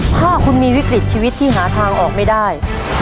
ถ้าคุณมีวิกฤตชีวิตที่หาทางออกไม่ได้